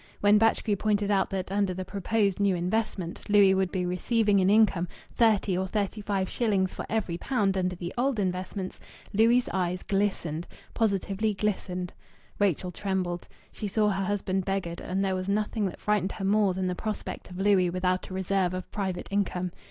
When Batchgrew pointed out that, under the proposed new investment, Louis would be receiving in income thirty or thirty five shillings for every pound under the old investments, Louis' eye glistened positively glistened! Rachel trembled. She saw her husband beggared, and there was nothing that frightened her more than the prospect of Louis without a reserve of private income.